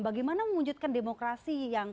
bagaimana mengunjutkan demokrasi yang